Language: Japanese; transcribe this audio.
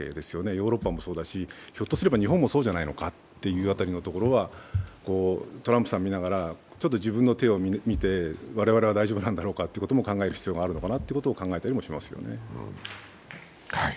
ヨーロッパもそうだし、ひょっとすれば日本もそうじゃないのかという辺りはトランプさんを見ながら自分の手を見て我々大丈夫なのか考える必要があるのかなということを考えたりもしますね。